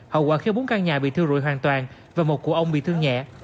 hậu quả khiến bốn căn nhà bị thiêu rụi hoàn toàn và một cụ ông bị thương nhẹ